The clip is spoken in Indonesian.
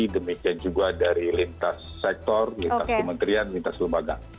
demikian juga dari lintas sektor lintas kementerian lintas lembaga